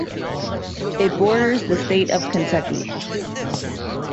It borders the state of Kentucky.